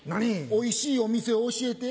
おいしいお店を教えて。